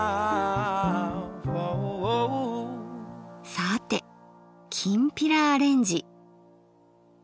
さてきんぴらアレンジ。